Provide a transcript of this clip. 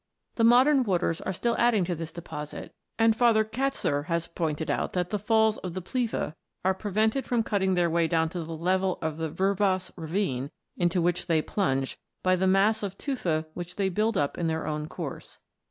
The modern waters are still adding to this deposit, and Fr. Katzer(4) has pointed out that the falls of the Pliva are prevented from cutting their way down to the level of the Vrbas ravine, into which they plunge, by the mass of tufa which they build up in their own course.